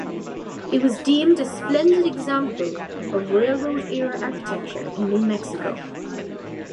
It was deemed "A splendid example of Railroad Era architecture in New Mexico".